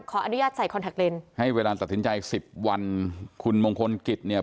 ขออนุญาตใส่ให้เวลาตัดสินใจสิบวันคุณมงคลกิจเนี่ย